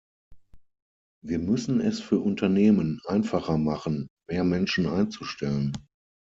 Wir müssen es für Unternehmen einfacher machen, mehr Menschen einzustellen.